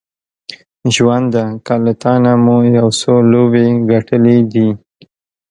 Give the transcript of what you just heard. ژونده که له تانه مو یو څو لوبې ګټلې دي